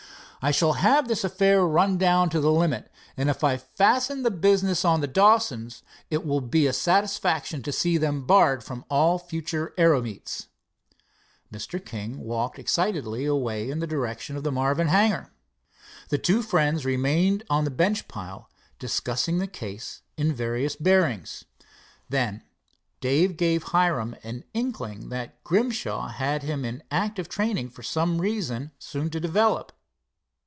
"I shall have this affair run down to the limit, and if I fasten the business on the Dawsons, it will be a satisfaction to see them barred from all future aero meets." Mr. King walked excitedly away in the direction of the Marvin hangar. The two friends remained on the bench pile discussing the case in its various bearings. Then Dave gave Hiram an inkling that Grimshaw had him in active training for some reason soon to develop.